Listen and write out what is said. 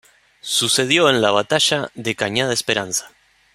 Sucedió en la batalla de Cañada Esperanza.